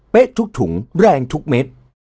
ทุกถุงแรงทุกเม็ด